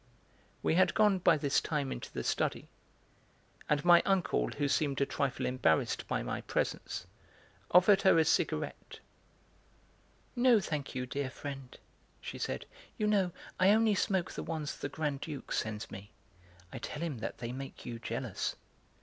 We had gone by this time into the 'study,' and my uncle, who seemed a trifle embarrassed by my presence, offered her a cigarette. "No, thank you, dear friend," she said. "You know I only smoke the ones the Grand Duke sends me. I tell him that they make you jealous."